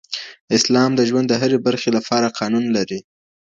اسلام د ژوند د هرې برخې لپاره قانون لري.